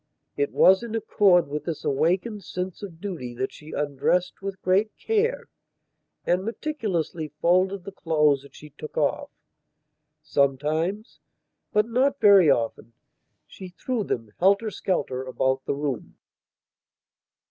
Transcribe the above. It was in accord with this awakened sense of duty that she undressed with great care and meticulously folded the clothes that she took off. Sometimes, but not very often, she threw them helter skelter about the room.